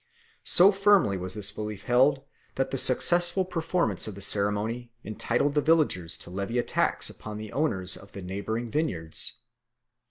So firmly was this belief held that the successful performance of the ceremony entitled the villagers to levy a tax upon the owners of the neighbouring vineyards.